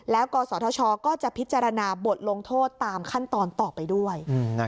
แล้วกศธชก็จะพิจารณาบทลงโทษตามขั้นตอนต่อไปด้วย